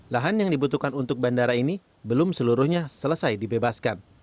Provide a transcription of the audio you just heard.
lahan yang dibutuhkan untuk bandara ini belum seluruhnya selesai dibebaskan